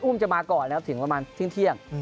อุ้มจะมาก่อนนะครับถึงประมาณซึ่งเที่ยง